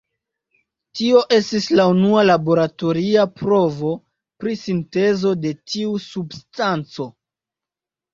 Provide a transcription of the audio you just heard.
Tio estis la unua laboratoria provo pri sintezo de tiu substanco.